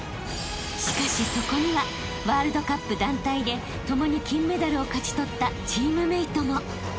［しかしそこにはワールドカップ団体で共に金メダルを勝ち取ったチームメートも］